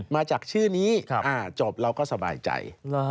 มาจากชื่อนี้จบเราก็สบายใจ